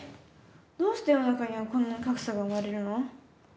どうして世の中にはこんな格差が生まれるの？